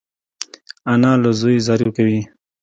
انا له زوی زاری کوي